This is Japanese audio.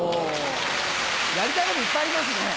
やりたいこといっぱいありますね。